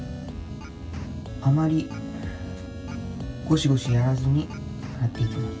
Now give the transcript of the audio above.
あまりゴシゴシやらずに洗っていく。